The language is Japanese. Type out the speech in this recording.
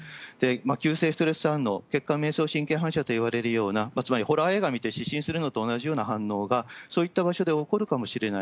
急性ストレス反応、けっかんめいそう神経反射といわれるような、つまりホラー映画見て失神するのと同じような反応がそういった場所で起こるかもしれない。